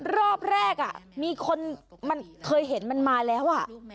รอบแรกมีคนมันเคยเห็นมันมาแล้ว